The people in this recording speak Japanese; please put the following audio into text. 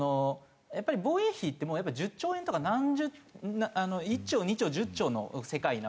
やっぱり防衛費って１０兆円とか何十１兆２兆１０兆の世界なわけですね。